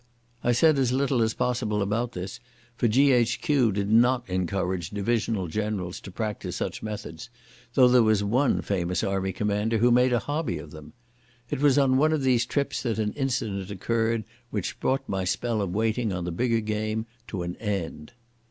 I said as little as possible about this, for G.H.Q. did not encourage divisional generals to practise such methods, though there was one famous army commander who made a hobby of them. It was on one of these trips that an incident occurred which brought my spell of waiting on the bigger game to an end.